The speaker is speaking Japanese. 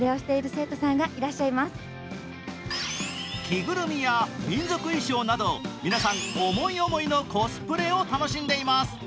着ぐるみや、民族衣装など皆さん思い思いのコスプレを楽しんでいます。